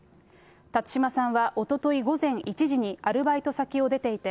辰島さんはおととい午前１時にアルバイト先を出ていて、